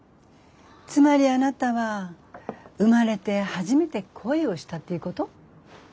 つまりあなたは生まれて初めて恋をしたっていうこと？